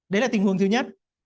đấy là tình huống thứ nhất